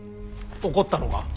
怒ったのか？